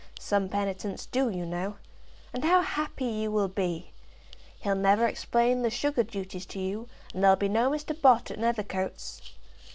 Some penitents do, you know. And how happy you will be! He'll never explain the sugar duties to you, and there'll be no Mr. Bott at Nethercoats."